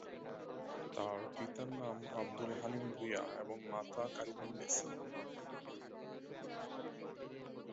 তার পিতার নাম আবদুল হালিম ভূঁইয়া এবং মাতা কারিমুন্নেছা।